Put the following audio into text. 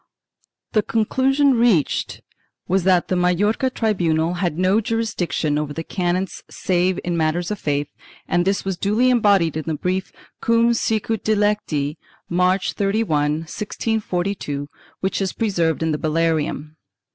The conclusion reached was that the Majorca tribunal had no jurisdiction over the canons save in matters of faith and this was duly embodied in the brief Cum sicut dilecti, March 31, 1642, which is preserved in the Bullarium.